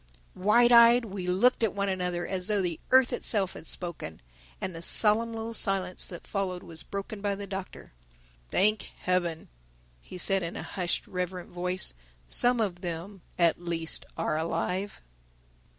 _ Wide eyed we looked at one another as though the earth itself had spoken. And the solemn little silence that followed was broken by the Doctor. "Thank Heaven," he said in a hushed reverent voice, "some of them at least are alive!"